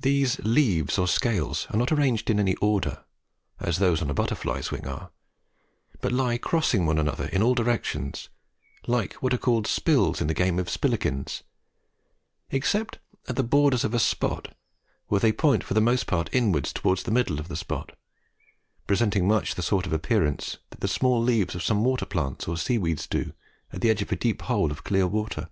These leaves or scales are not arranged in any order (as those on a butterfly's wing are), but lie crossing one another in all directions, like what are called spills in the game of spillikins; except at the borders of a spot, where they point for the most part inwards towards the middle of the spot, presenting much the sort of appearance that the small leaves of some water plants or sea weeds do at the edge of a deep hole of clear water.